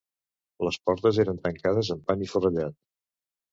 Les portes eren tancades amb pany i forrellat.